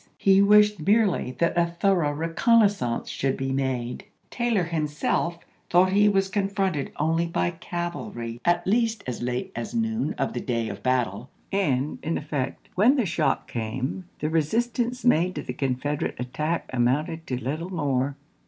He wished merely that a thorough Leaders." reconnaissance should be made. Taylor himself p 371. ' thought he was confronted only by cavalry at least 294 ABRAHAM LINCOLN Chap. XI. as late as noon of the day of battle; and, in effect, when the shock came, the resistance made to the Confederate attack amounted to little more.